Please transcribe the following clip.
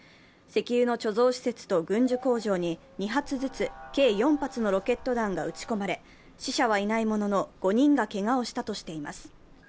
石油の貯蔵施設と軍需工場に２発ずつ計４発のロケット弾が撃ち込まれ死者はいないものの、５人がけがをしたとしています。